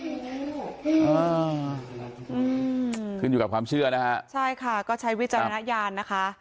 อืมขึ้นอยู่กับความเชื่อนะฮะใช่ค่ะก็ใช้วิจารณญาณนะคะ